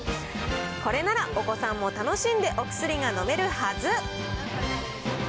これならお子さんも楽しんでお薬が飲めるはず。